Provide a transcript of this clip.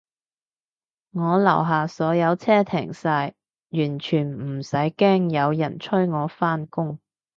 我樓下所有車停晒，完全唔使驚有人催我返工